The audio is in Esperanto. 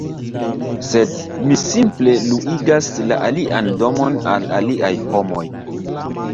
sed mi simple luigas la alian domon al aliaj homoj